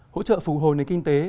hỗ trợ phục hồi nền kinh tế